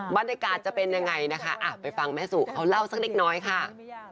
บรรติกาจะเป็นอย่างไรนะคะไปฟังแม่สุนเอาล่าวสักนิดน้อยค่ะ